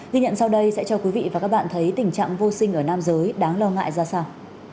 vô sinh ở nam giới đáng lo ngại ra sao